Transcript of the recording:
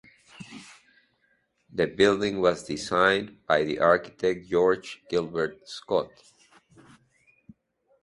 The building was designed by the architect George Gilbert Scott.